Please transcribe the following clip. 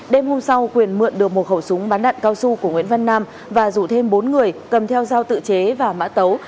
đêm hôm sau quyền mượn được một khẩu súng bắn đạn cao su của nguyễn văn nam và rủ thêm bốn người cầm theo dao tự chế và mã tấu